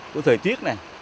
của thời tiết này